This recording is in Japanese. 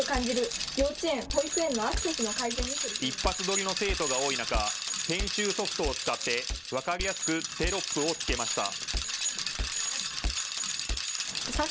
一発撮りの生徒が多い中、編集ソフトを使って分かりやすくテロップをつけました。